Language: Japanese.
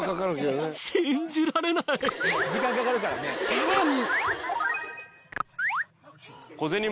［さらに］